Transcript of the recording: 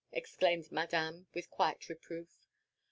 exclaimed Madame with quiet reproof.